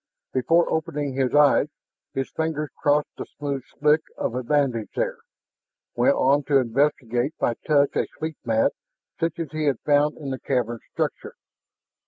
Before opening his eyes, his fingers crossed the smooth slick of a bandage there, went on to investigate by touch a sleep mat such as he had found in the cavern structure.